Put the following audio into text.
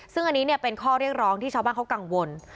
ซึ่งอันนี้เป็นข้อเรียกร้องที่ชาวบ้านเขากังวล